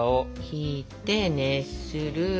ひいて熱する。